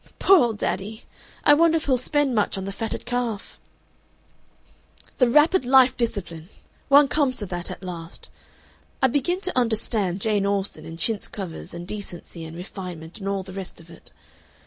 "Poor old daddy! I wonder if he'll spend much on the fatted calf?... "The wrappered life discipline! One comes to that at last. I begin to understand Jane Austen and chintz covers and decency and refinement and all the rest of it.